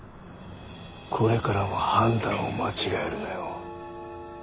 これからも判断を間違えるなよ。